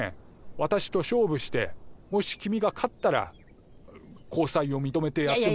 私と勝負してもし君が勝ったら交際を認めてやっても。